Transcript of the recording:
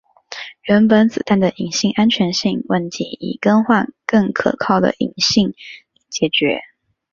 原本子弹的引信安全型问题以更换更可靠的引信解决。